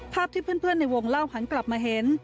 ภาพที่เพื่อนในวงเล่าหันกลับมาเห็น